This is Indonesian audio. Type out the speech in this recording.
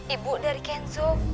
ibu dari kensuk